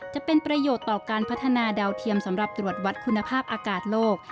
จะเป็นประโยชน์ต่อการพัฒนาดาวเทียมสำหรับตรวจวัดคุณภาพอากาศโลก